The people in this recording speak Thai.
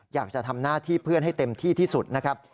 อยากจะทำหน้าที่เพื่อนให้เต็มที่ที่สุดนะครับ